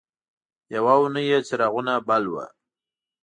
یوه اونۍ یې څراغونه بل وو.